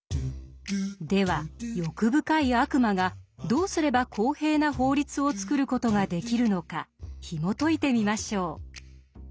では欲深い悪魔がどうすれば公平な法律を作る事ができるのかひもといてみましょう。